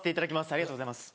ありがとうございます。